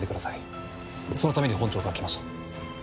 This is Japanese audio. そのために本庁から来ました。